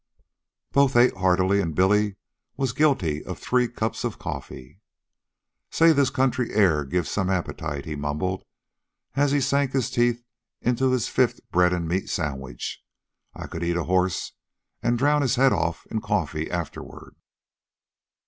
Both ate heartily, and Billy was guilty of three cups of coffee. "Say, this country air gives some appetite," he mumbled, as he sank his teeth into his fifth bread and meat sandwich. "I could eat a horse, an' drown his head off in coffee afterward."